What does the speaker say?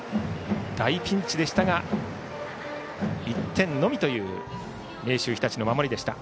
大ピンチでしたが１点のみという明秀日立の守りでした。